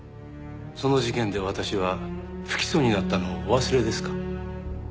その事件で私は不起訴になったのをお忘れですか？